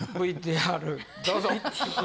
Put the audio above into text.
ＶＴＲどうぞ。